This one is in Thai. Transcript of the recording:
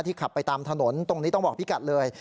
ขับไปตามถนนตรงนี้ต้องบอกพี่กัดเลย